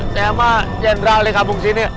saya mah jenrah lika pungsi nih